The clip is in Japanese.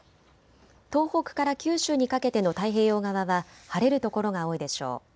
東北から九州にかけての太平洋側は晴れる所が多いでしょう。